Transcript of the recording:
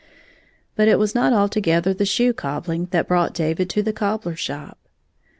• But it was not altogether the shoe cobbUng that brought David to the cobbler shop.